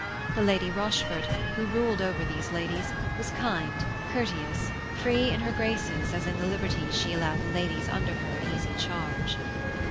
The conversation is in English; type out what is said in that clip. The Lady Rochford, who ruled over these ladies, was kind, courteous, free in her graces as in the liberties she allowed the ladies under her easy charge.